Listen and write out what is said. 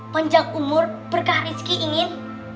panjang umur berkah rezeki ingin